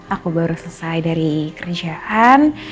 aku baru selesai dari kerjaan